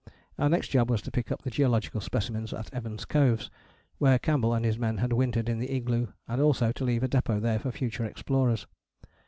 Our next job was to pick up the geological specimens at Evans Coves, where Campbell and his men had wintered in the igloo, and also to leave a depôt there for future explorers.